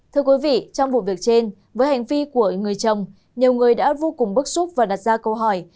thưa quý vị trong vụ việc trên với hành vi của người chồng nhiều người đã vô cùng bức xúc và đặt ra câu hỏi